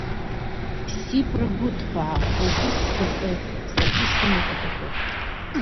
Сибра гәыҭбаа, угәы сзарты, саргьы исымоуп аҳәатәы…